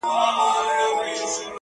چي تلاوت وي ورته خاندي، موسيقۍ ته ژاړي.